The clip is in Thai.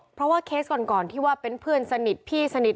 เพราะว่าเคสก่อนที่ว่าเป็นเพื่อนสนิทพี่สนิท